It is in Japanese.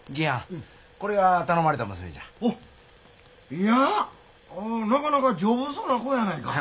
いやなかなか丈夫そうな子やないか。